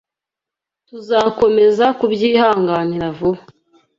tuzakomeza kubyihanganira vuba